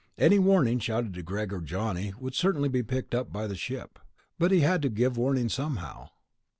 Any warning shouted to Greg and Johnny would certainly be picked up by the ship. But he had to give warning somehow.